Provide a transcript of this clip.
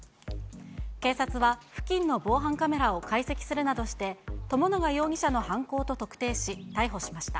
警察は付近の防犯カメラを解析するなどして、友永容疑者の犯行と特定し、逮捕しました。